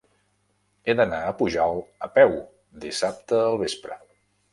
He d'anar a Pujalt a peu dissabte al vespre.